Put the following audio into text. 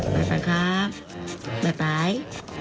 ไปครับไป๊ปาย